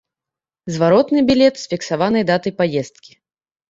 Зваротны білет з фіксаванай датай паездкі.